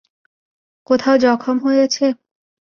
কোথাও জখম হয়েছে?